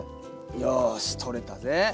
よしとれたぜ。